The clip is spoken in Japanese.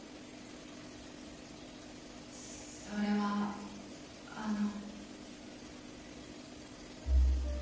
それはあの。